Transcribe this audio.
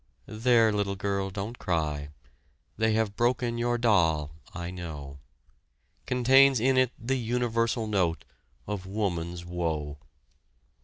There, little girl, don't cry, They have broken your doll, I know, contains in it the universal note of woman's woe!